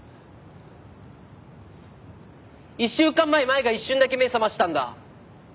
１週間前舞が一瞬だけ目ぇ覚ましたんだ。